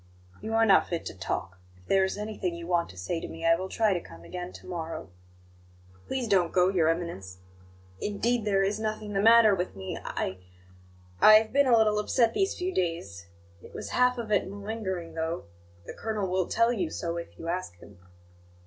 "You are not fit to talk. If there is anything you want to say to me, I will try to come again to morrow." "Please don't go, Your Eminence indeed, there is nothing the matter with me. I I have been a little upset these few days; it was half of it malingering, though the colonel will tell you so if you ask him."